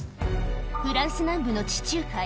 フランス南部の地中海